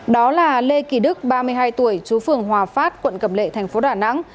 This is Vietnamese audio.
đó là lê kỳ đức ba mươi hai tuổi chú phường hòa phát quận cầm lệ tp đà nẵng